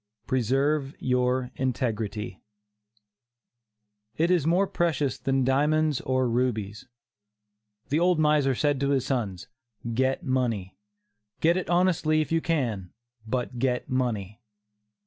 PRESERVE YOUR INTEGRITY. It is more precious than diamonds or rubies. The old miser said to his sons: "Get money; get it honestly, if you can, but get money."